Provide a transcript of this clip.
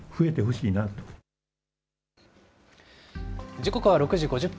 時刻は６時５０分。